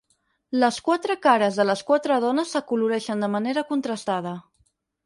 Les quatre cares de les quatre dones s'acoloreixen de manera contrastada.